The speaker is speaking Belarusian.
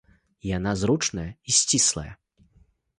Яна зручная і сціслая.